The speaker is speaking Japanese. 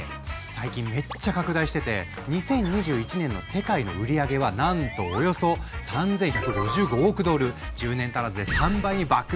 最近めっちゃ拡大してて２０２１年の世界の売り上げはなんとおよそ１０年足らずで３倍に爆増してるのよ。